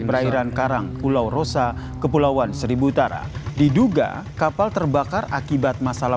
perairan karang pulau rosa kepulauan seribu utara diduga kapal terbakar akibat masalah